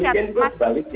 ini kan buat sebaliknya